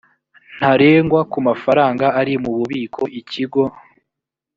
ntarengwa ku mafaranga ari mu bubiko ikigo